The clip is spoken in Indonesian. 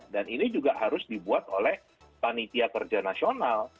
dan ini juga harus dibuat oleh panitia kerja nasional